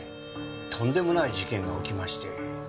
とんでもない事件が起きまして。